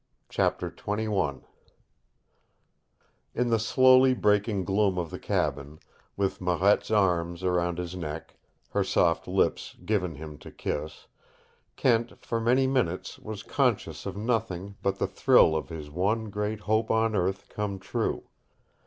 CHAPTER XXI In the slowly breaking gloom of the cabin, with Marette's arms round his neck, her soft lips given him to kiss, Kent for many minutes was conscious of nothing but the thrill of his one great hope on earth come true.